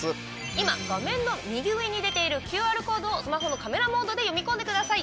今、画面の右上に出ているＱＲコードをスマホのカメラモードで読み込んでください。